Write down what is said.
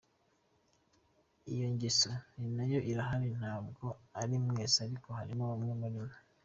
Iyo ngeso na yo irahari ntabwo ari mwese ariko harimo bamwe muri mwe.